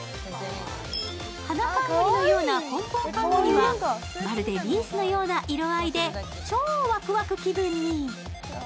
花冠のようなポンポンかんむりはまるでリースのような色合いで超ワクワク気分に。